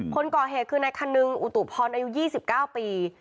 คนก่อเหตุคือนักคณึงอุตุพรณ์อายุยี่สิบเก้าปี